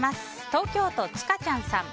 東京都の方。